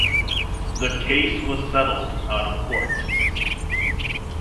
The case was settled out of court.